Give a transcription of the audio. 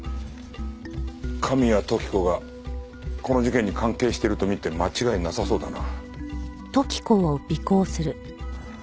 神谷時子がこの事件に関係してるとみて間違いなさそうだな。